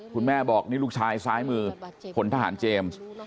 คุณแม่บอกนี่ลูกชายซ้ายมือพลทหารเจมส์